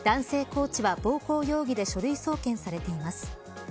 コーチは暴行容疑で書類送検されています。